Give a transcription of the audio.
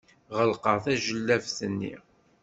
Ɣelqeɣ tajellabt-nni.